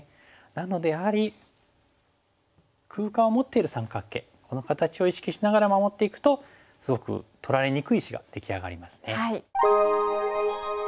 なのでやはり空間を持っている三角形この形を意識しながら守っていくとすごく取られにくい石が出来上がりますね。